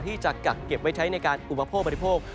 ที่จะกักเก็บไว้ใช้ในการอุปโภคบริโภค